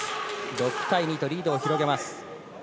６対２とリードを広げます。